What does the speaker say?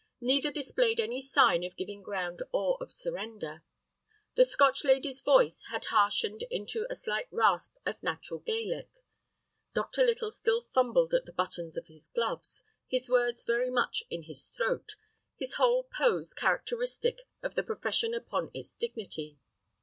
Neither displayed any sign of giving ground or of surrender. The Scotch lady's voice had harshened into a slight rasp of natural Gaelic. Dr. Little still fumbled at the buttons of his gloves, his words very much in his throat, his whole pose characteristic of the profession upon its dignity.